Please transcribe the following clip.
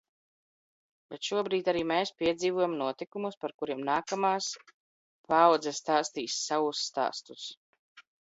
Bet šobrīd arī mēs piedzīvojam notikumus, par kuriem nākamās paaudze stāstīs savus stāstus.